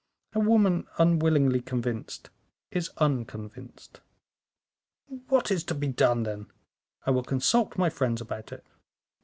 A woman unwillingly convinced, is unconvinced." "What is to be done, then? I will consult my friends about it."